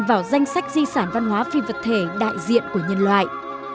vào danh sách di sản văn hóa phi vật thể đại diện của nhân loại